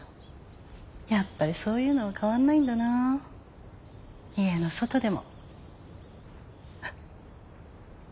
やっぱりそういうのは変わんないんだな家の外でも。